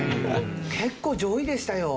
結構上位でしたよ。